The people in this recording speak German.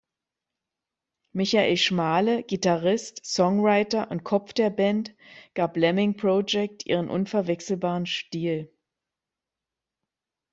Michael Schmale, Gitarrist, Songwriter und Kopf der Band, gab Lemming Project ihren unverwechselbaren Stil.